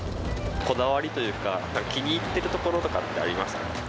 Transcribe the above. こだわりというか、気に入っているところとかありますか？